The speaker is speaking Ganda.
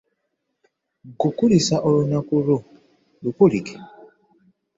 Nkukulisa olunaku Iwo, lukulike.